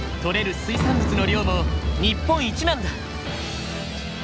水産物の量も日本一なんだ。